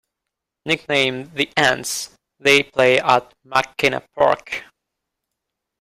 Nicknamed "the Ants", they play at McKenna Park.